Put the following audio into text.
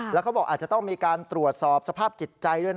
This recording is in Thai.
แล้วเขาบอกอาจจะต้องมีการตรวจสอบสภาพจิตใจด้วยนะ